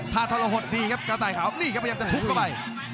ถ้าทรหดดีครับกระต่ายขาวนี่ครับพยายามจะทุบเข้าไป